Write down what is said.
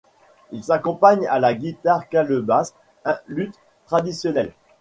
Il s'accompagne à la guitare calebasse, un luth traditionnel.